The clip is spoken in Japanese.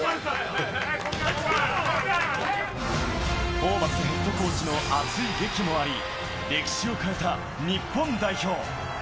ホーバスヘッドコーチの熱いげきもあり、歴史を変えた日本代表。